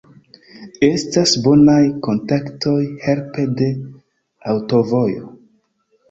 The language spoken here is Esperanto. Estas bonaj kontaktoj helpe de aŭtovojo.